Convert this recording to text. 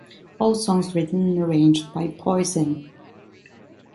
All songs written and arranged by Poison.